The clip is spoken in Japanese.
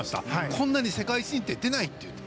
こんなに世界新って出ないって。